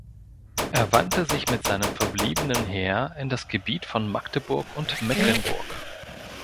Er wandte sich mit seinem verbliebenen Heer in das Gebiet von Magdeburg und Mecklenburg.